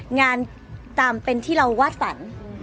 งานตามเป็นที่เราวาดฝัน